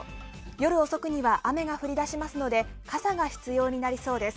夜遅くには雨が降り出しますので傘が必要になりそうです。